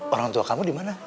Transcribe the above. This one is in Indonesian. orang tua kamu di mana